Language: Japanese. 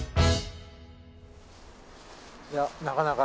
いやなかなか。